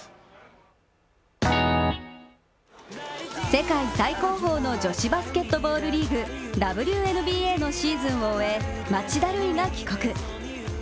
世界最高峰の女子バスケットボールリーグ、ＷＮＢＡのシーズンを終え、町田瑠唯が帰国。